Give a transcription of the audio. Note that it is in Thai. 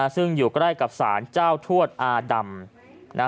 ซึ่งอยู่ใกล้กับศาลเจ้าทวดอาดำ